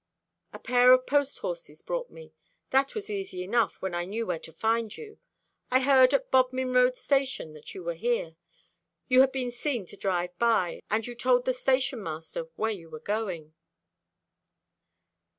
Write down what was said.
"A pair of post horses brought me; that was easy enough when I knew where to find you. I heard at Bodmin Road station that you were here. You had been seen to drive by, and you told the station master where you were going."